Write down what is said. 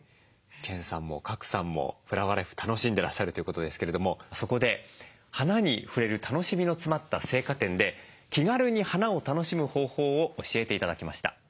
研さんも賀来さんもフラワーライフ楽しんでらっしゃるということですけれどもそこで花に触れる楽しみの詰まった生花店で気軽に花を楽しむ方法を教えて頂きました。